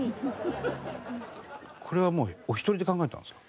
これはもうお一人で考えたんですか？